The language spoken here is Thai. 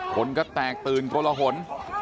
คนก็แตกตื่นกละหละหน